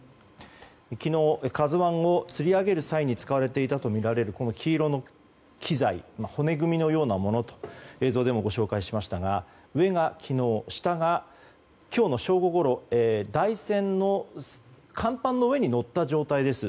昨日、「ＫＡＺＵ１」をつり上げる際に使われていたとみられるこの黄色の機材骨組みのようなものと映像でもご紹介しましたが上が昨日、下が今日の正午ごろ台船の甲板の上に乗った状態です。